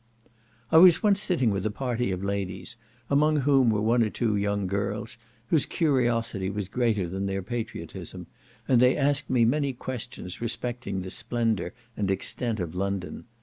I was once sitting with a party of ladies, among whom were one or two young girls, whose curiosity was greater than their patriotism, and they asked me many questions respecting the splendour and extent of London.